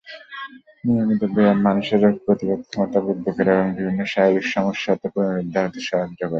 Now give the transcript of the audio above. নিয়মিত ব্যায়াম মানুষের রোগ প্রতিরোধ ক্ষমতা বৃদ্ধি করে এবং বিভিন্ন শারীরিক সমস্যা হতে পুনরুদ্ধার হতে সাহায্য করে।